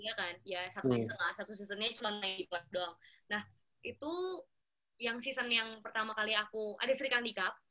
ya satu season lah satu seasonnya cuma naipat doang nah itu yang season yang pertama kali aku ada sri kandikap